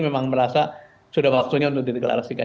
memang merasa sudah waktunya untuk dideklarasikan